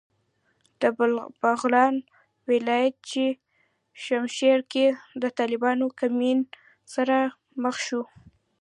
د بغلان ولایت په چشمشېر کې د طالبانو د کمین سره مخ شوو.